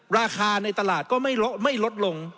ราคาในตลาดก็ไม่ลดลง